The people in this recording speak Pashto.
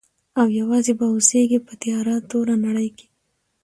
او یوازي به اوسیږي په تیاره توره نړۍ کي.